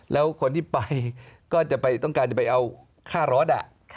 แล้วคนที่ไปก็จะต้องการจะไปเอาค่ารถ